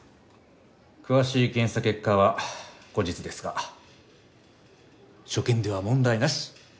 詳しい検査結果は後日ですが所見では問題なし！